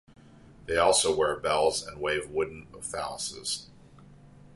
They also wear bells and wave wooden phalluses.